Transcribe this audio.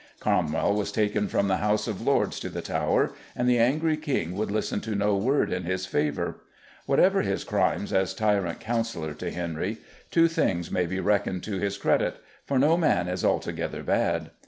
Cromwell was taken from the House of Lords to the Tower, and the angry King would listen to no word in his favour. Whatever his crimes as tyrant councillor to Henry, two things may be reckoned to his credit, for no man is altogether bad.